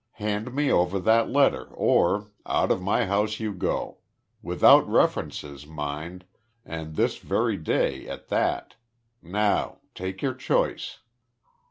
Hand me over that letter, or out of my house you go. Without references mind and this very day at that. Now take your choice."